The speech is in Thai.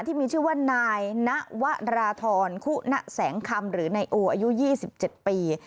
ที่มีชื่อว่านายณวราธรคุณะแสงคำหรือนายโออายุ๒๗ปี